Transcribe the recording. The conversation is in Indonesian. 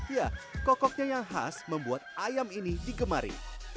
ya kokoknya yang khas membuat ayam ini digemari